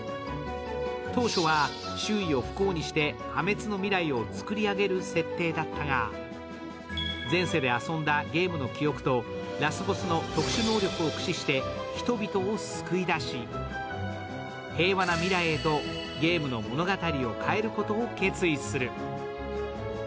当初は、周囲を不幸にして破滅の未来を作り上げる設定だったが、前世で遊んだゲームの記憶とラスボスの特殊能力を駆使して人々を救い出し平和な未来へとゲームの物語を変えることを決意する。